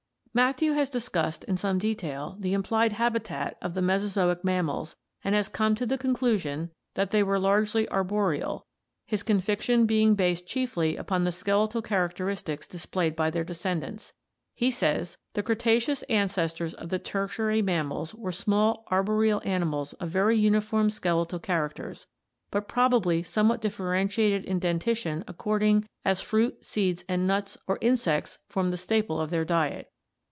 — Matthew has discussed in some detail the implied habitat of the Mesozoic mammals and has come to the conclusion that they were 544 ORGANIC EVOLUTION largely arboreal, his conviction being based chiefly upon the skeletal characteristics displayed by their descendants. He says: "The Creta ceous ancestors of the Tertiary mammals were small arboreal animals of very uniform skeletal characters, but probably somewhat differentiated in dentition according as fruit, seeds and nuts, or insects formed the staple of their diet.